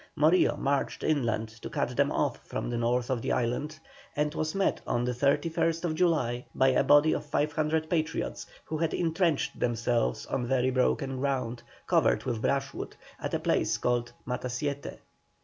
Morillo marched inland to cut them off from the north of the island, and was met on the 31st July by a body of 500 Patriots who had entrenched themselves on very broken ground, covered with brushwood, at a place called Matasiete.